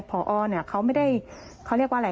ผอเขาไม่ได้เขาเรียกว่าอะไร